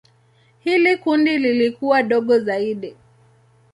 Hili kundi lilikuwa dogo zaidi.